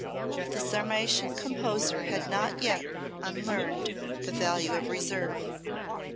The Sarmatian composer had not yet unlearned the value of reserve.